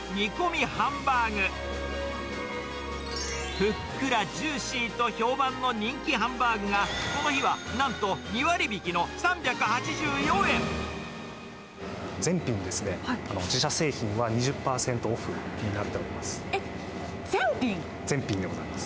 ふっくらジューシーと評判の人気ハンバーグが、この日はなんと２全品ですね、自社製品は２０％オフになっております。